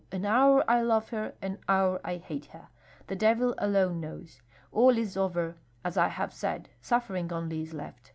An hour I love her, an hour I hate her. The devil alone knows! All is over, as I have said, suffering only is left.